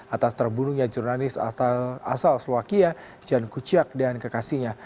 atas terbunuhnya jurnalis asal slovakia jan kuciak dan kekasihnya